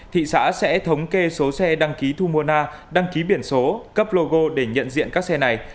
thị xã sẽ thống kê số xe đăng ký thu mua na đăng ký biển số cấp logo để nhận diện các xe này